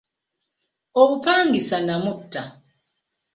Obupangisa namutta.